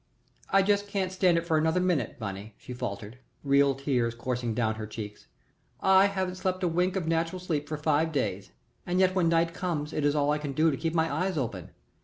"I just can't stand it for another minute, Bunny," she faltered, real tears coursing down her cheeks. "I haven't slept a wink of natural sleep for five days, and yet when night comes it is all I can do to keep my eyes open.